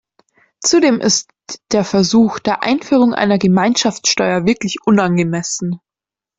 Zudem ist der Versuch der Einführung einer Gemeinschaftssteuer wirklich unangemessen.